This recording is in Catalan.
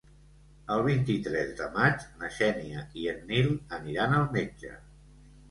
El vint-i-tres de maig na Xènia i en Nil aniran al metge.